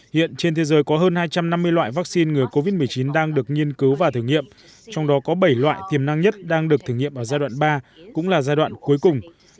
hiện trên thế giới có hơn hai trăm năm mươi loại vaccine ngừa covid một mươi chín đang được nghiên cứu và thử nghiệm trong đó có bảy loại tiềm năng nhất đang được thử nghiệm ở giai đoạn ba cũng là giai đoạn cuối cùng